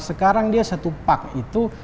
sekarang dia satu pak itu